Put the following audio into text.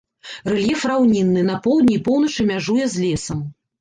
Рэльеф раўнінны, на поўдні і поўначы мяжуе з лесам.